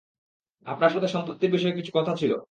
আপনার সাথে সম্পত্তির বিষয়ে কিছু কথা ছিল।